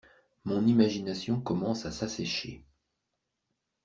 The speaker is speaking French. Mon imagination commence à s’assécher.